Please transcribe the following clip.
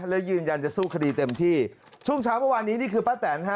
และยืนยันจะสู้คดีเต็มที่ช่วงเช้าเมื่อวานนี้นี่คือป้าแตนฮะ